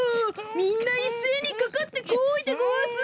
みんないっせいにかかってこいでごわす！